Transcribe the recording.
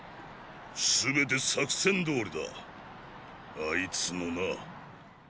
全て作戦どおりだーーあいつのな。